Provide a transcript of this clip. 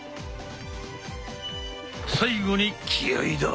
最後に気合いだ！